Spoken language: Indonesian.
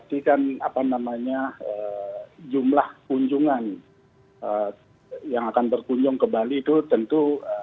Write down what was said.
jadi kan apa namanya jumlah kunjungan yang akan berkunjung ke bali itu tentu